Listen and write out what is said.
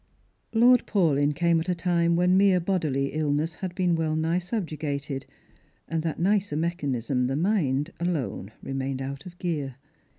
Lord Paulyn came at a time when mere bodily illness had been well nigh subjugated, and that nicer mechanism, the mind, alone remained out of gear.